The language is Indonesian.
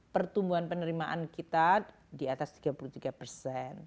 pertumbuhan penerimaan kita di atas tiga puluh tiga persen